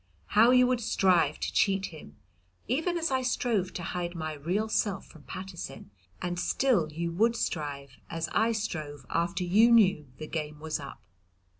How you would strive to cheat him, even as I strove to hide my real self from Paterson, and still you would strive as I strove after you knew the game was up.